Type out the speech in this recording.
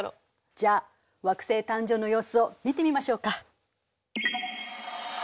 じゃあ惑星誕生の様子を見てみましょうか。